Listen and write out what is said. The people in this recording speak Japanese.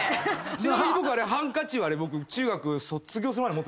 ちなみに僕あれハンカチは中学卒業するまで持ってました。